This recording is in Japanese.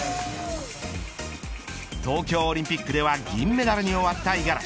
東京オリンピックでは銀メダルに終わった五十嵐。